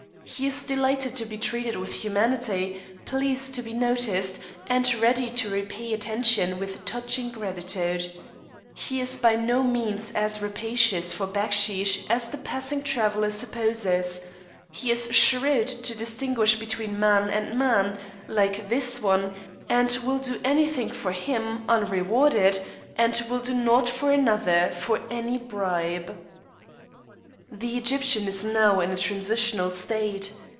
He is delighted to be treated with humanity, pleased to be noticed, and ready to repay attention with touching gratitude. He is by no means as rapacious for backsheesh as the passing traveller supposes; he is shrewd to distinguish between man and man; likes this one, and will do anything for him unrewarded, and will do naught for another for any bribe. The Egyptian is now in a transitional state.